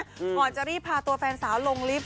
ก่อนจะรีบพาตัวแฟนสาวลงลิฟต